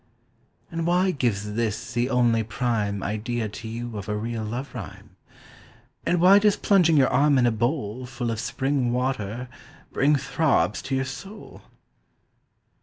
"And why gives this the only prime Idea to you of a real love rhyme? And why does plunging your arm in a bowl Full of spring water, bring throbs to your soul?"